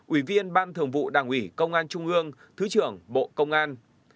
ủy viên ban thường vụ đảng ủy công an trung ương thứ trưởng bộ công an